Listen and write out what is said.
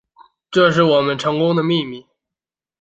这是我们成功的秘密